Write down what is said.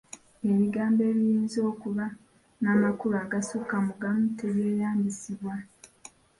Ebigambo ebiyinza okuba n’amakulu agasukka mu gamu tebyeyambisibwa.